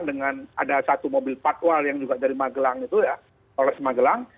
dengan ada satu mobil patwal yang juga dari magelang itu ya polres magelang